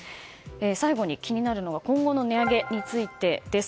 最後に、気になるのは今後の値上げについてです。